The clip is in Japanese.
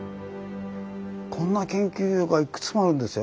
こんな研究所がいくつもあるんですよ。